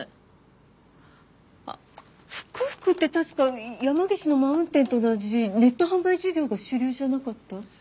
あっ福々って確か山岸のマウンテンと同じネット販売事業が主流じゃなかった？